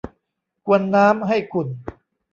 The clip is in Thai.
กวนน้ำให้ขุ่น